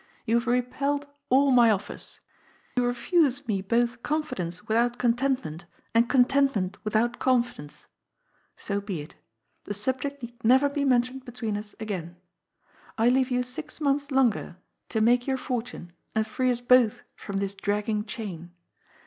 You have repelled all my offers. You refuse me both confidence without contentment and contentment without confidence. So be it. The subject need never be mentioned between us again. I leave you six months longer to make your fortune and free us both from this dragging chain.